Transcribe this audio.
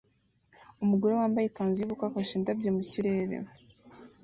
Umugore wambaye ikanzu yubukwe afashe indabyo mu kirere